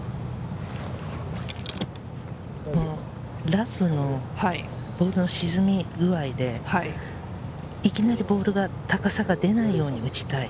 ラフのボールの沈み具合で、いきなりボールが、高さが出ないように打ちたい。